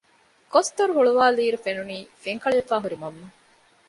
ގޮސް ދޮރު ހުޅުވައިލީއިރު ފެނުނީ ފެންކަޅިވެފައި ހުރި މަންމަ